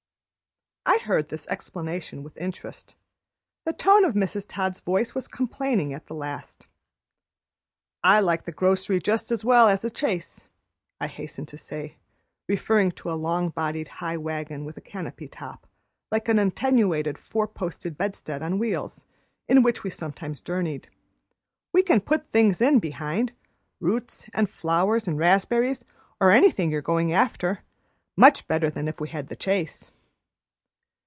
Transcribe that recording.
I heard this explanation with interest. The tone of Mrs. Todd's voice was complaining at the last. "I like the grocery just as well as the chaise," I hastened to say, referring to a long bodied high wagon with a canopy top, like an attenuated four posted bedstead on wheels, in which we sometimes journeyed. "We can put things in behind roots and flowers and raspberries, or anything you are going after much better than if we had the chaise."